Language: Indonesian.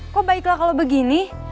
kok baiklah kalau begini